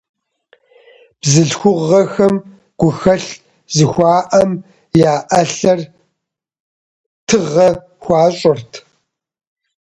Бзылъхугъэхэм гухэлъ зыхуаӏэм я ӏэлъэр тыгъэ хуащӏырт.